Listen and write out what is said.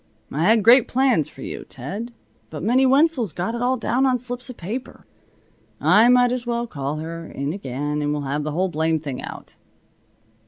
"I had great plans for you, Ted. But Minnie Wenzel's got it all down on slips of paper. I might as well call her, in again, and we'll have the whole blamed thing out."